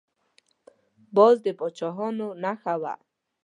باز د پاچاهانو نښه وه